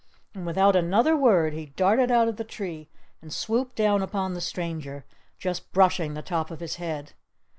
And without another word he darted out of the tree and swooped down upon the stranger, just brushing the top of his head.